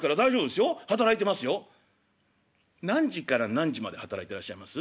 「何時から何時まで働いてらっしゃいます？」。